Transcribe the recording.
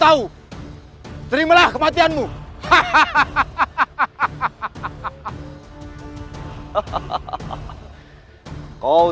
saya akan menjaga kebenaran raden